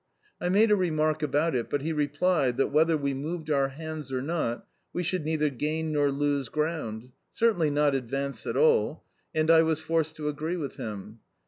I made a remark about it, but he replied that, whether we moved our hands or not, we should neither gain nor lose ground certainly not advance at all, and I was forced to agree with him.